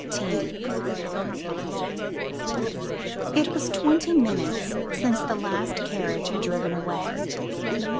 XVIII It was twenty minutes since the last carriage had driven away.